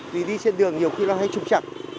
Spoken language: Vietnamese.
thì đi trên đường nhiều khi nó hay trục chặt